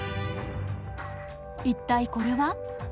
一体これは？